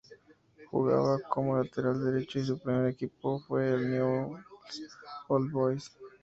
Jugaba como lateral derecho y su primer equipo fue Newell's Old Boys.